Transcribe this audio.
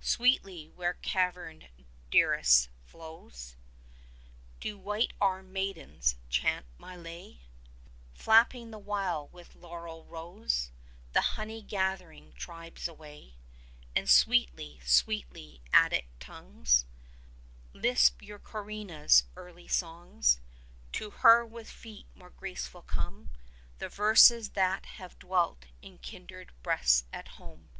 Sweetly where caverned Dirce flows 25 Do white armed maidens chant my lay, Flapping the while with laurel rose The honey gathering tribes away; And sweetly, sweetly Attic tongues Lisp your Corinna's early songs; 30 To her with feet more graceful come The verses that have dwelt in kindred breasts at home.